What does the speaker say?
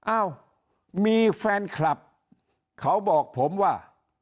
อ้าวมีแฟนคลับเขาบอกผมว่า